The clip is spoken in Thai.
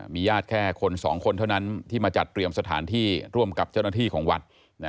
มีญาติแค่คนสองคนเท่านั้นที่มาจัดเตรียมสถานที่ร่วมกับเจ้าหน้าที่ของวัด